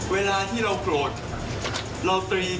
เวลาที่เราโกรธ